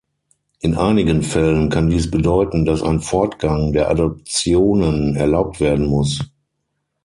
In einigen Fällen kann dies bedeuten, dass ein Fortgang der Adoptionen erlaubt werden muss.